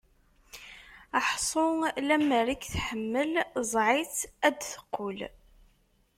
Ḥṣu lemmer i k-tḥemmel, ẓẓeɛ-itt ad d-teqqel.